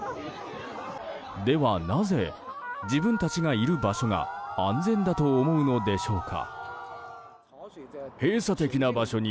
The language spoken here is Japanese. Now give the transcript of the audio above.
では、なぜ自分たちがいる場所が安全だと思うのでしょうか。